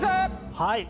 はい。